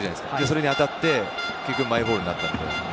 それに当たって結局マイボールになって。